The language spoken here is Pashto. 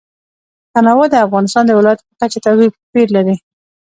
تنوع د افغانستان د ولایاتو په کچه توپیر لري.